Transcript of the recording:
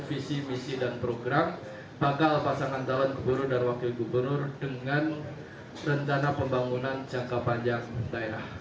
visi misi dan program bakal pasangan calon gubernur dan wakil gubernur dengan rencana pembangunan jangka panjang daerah